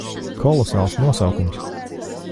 Kolosāls nosaukums.